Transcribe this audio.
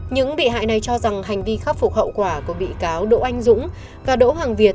những bị hại này cho rằng hành vi khắc phục hậu quả của bị cáo đỗ anh dũng và đỗ hoàng việt